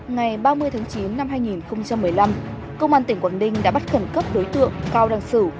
ngày ba mươi tháng chín năm hai nghìn một mươi năm công an tỉnh quảng ninh đã bắt khẩn cấp đối tượng cao đăng sử